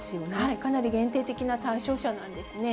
かなり限定的な対象者なんですね。